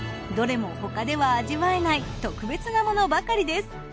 どれも他では味わえない特別なものばかりです。